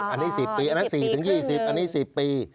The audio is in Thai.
อันนี้สิบปีอันนั้นสี่ถึงยี่สิบอันนี้สิบปี